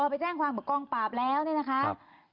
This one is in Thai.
แต่พอไปแจ้งความกองปราบแล้วเนี่ยนะคะ